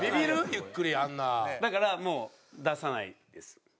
ゆっくりあんな」だからもう出さないです。